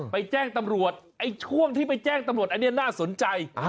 แจ้งตำรวจไอ้ช่วงที่ไปแจ้งตำรวจอันนี้น่าสนใจ